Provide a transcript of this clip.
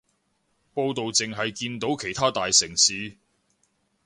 報導淨係見到其他大城市